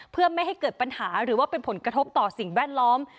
เพื่อไม่ให้เกิดปัญหาหรือว่าเป็นผลกระทบต่อสิ่งแวดล้อม